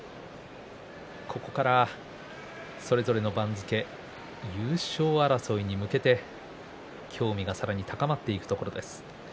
ここから、それぞれの番付優勝争いに向けて興味がさらに高まっていくところです。